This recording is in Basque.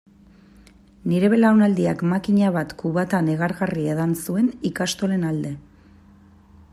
Nire belaunaldiak makina bat kubata negargarri edan zuen ikastolen alde.